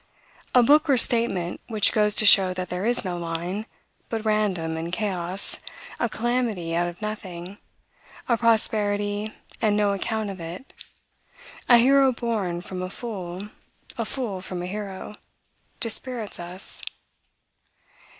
A book or statement which goes to show that there is no line, but random and chaos, a calamity out of nothing, a prosperity and no account of it, a hero born from a fool, a fool from a hero, dispirits us.